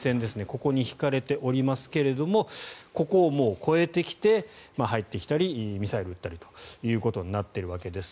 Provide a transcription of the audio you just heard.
ここに引かれておりますけどもここを越えてきて入ってきたりミサイルを撃ったりということになっているわけです。